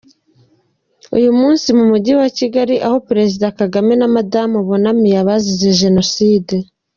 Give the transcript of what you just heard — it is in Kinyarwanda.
munsi mu mujyi wa Kigali aho Perezida Paul Kagame na Madamu bunamiye abazize Jenoside.